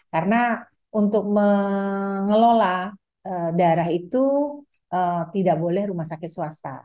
karena untuk mengelola darah itu tidak boleh rumah sakit swasta